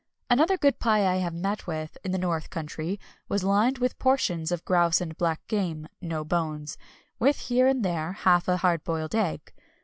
Another good pie I have met with in the north country was lined with portions of grouse and black game (no bones), with here and there half a hard boiled egg.